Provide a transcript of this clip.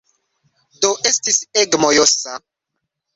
Do, estis ege mojosa.